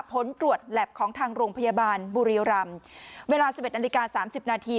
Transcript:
ผลตรวจแล็บของทางโรงพยาบาลบุรีโยรัมเวลา๑๑นาฬิกา๓๐นาที